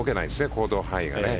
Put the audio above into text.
行動範囲がね。